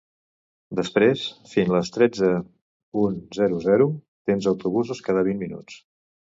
Després fins les tretze punt zero zero tens autobusos cada vint minuts.